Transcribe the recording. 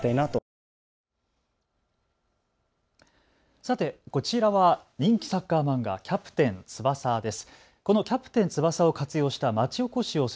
さて、こちらは人気サッカー漫画キャプテン翼です。